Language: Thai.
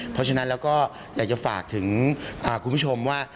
เพราะฉะนั้นเราก็อยากจะฝากถึงคุณผู้ชมว่า